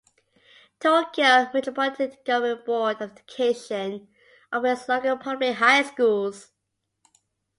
Tokyo Metropolitan Government Board of Education operates local public high schools.